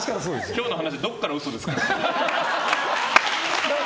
今日の話どこかの嘘ですか。